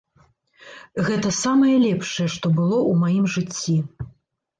Гэта самае лепшае, што было ў маім жыцці.